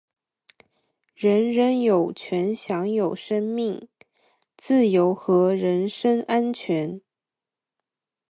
人人有权享有生命、自由和人身安全。